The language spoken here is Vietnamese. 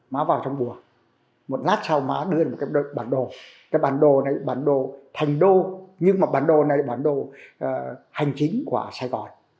má vào trong bùa một lát sau má đưa một cái bản đồ cái bản đồ này bản đồ thành đô nhưng mà bản đồ này bản đồ hành chính của sài gòn